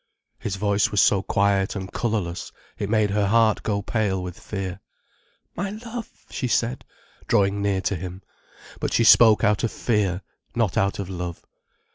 His voice was so quiet and colourless, it made her heart go pale with fear. "My love!" she said, drawing near to him. But she spoke out of fear, not out of love.